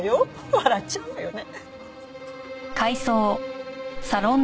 笑っちゃうわよね。